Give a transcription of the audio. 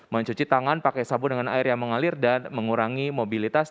mencuci tangan pakai sabun dengan air yang mengalir dan mengurangi mobilitas